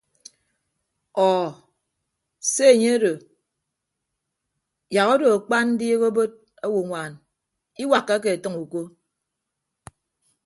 Ọọ se enye odo yak odo akpa ndi obod owoñwan iwakkake ọtʌñ uko.